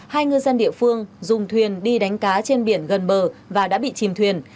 hai ngư dân địa phương dùng thuyền đi đánh cá trên biển gần bờ và đã bị chìm thuyền